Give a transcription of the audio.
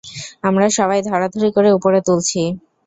আমরা সবাই ধরাধরি করে উপরে তুলছি।